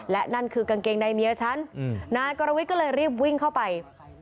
และนั่นคือกางเกงในเมียฉันนายกรวิทย์ก็เลยรีบวิ่งเข้าไป